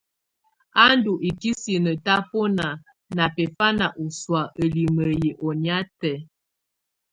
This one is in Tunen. Á ndù ikisinǝ tabɔna na bɛfana ɔsɔ̀á ǝlimǝ yɛ ɔnɛ̀á tɛ̀á.